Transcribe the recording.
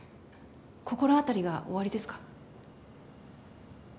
心当たりがおありですか？